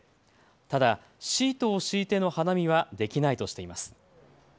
ただシートを敷いての花見はできないとしています。